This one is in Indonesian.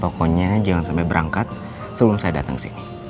pokoknya jangan sampai berangkat sebelum saya datang ke sini